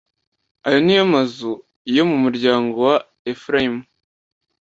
ayo ni yo mazu yo mu muryango wa efurayimu.